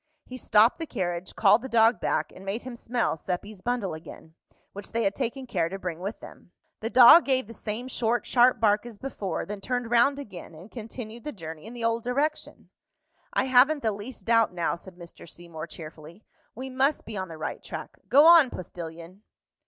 He stopped the carriage, called the dog back, and made him smell Seppi's bundle again, which they had taken care to bring with them. The dog gave the same short sharp bark as before, then turned round again, and continued the journey in the old direction. "I haven't the least doubt now," said Mr. Seymour, cheerfully. "We must be on the right track. Go on, postilion!"